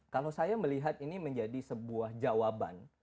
kalau saya melihat ini menjadi sebuah jawaban